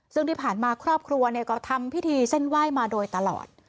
ซึ่งที่ผ่านมาครอบครัวก็ทำพิธีเส้นไหว้มาโดยตลอด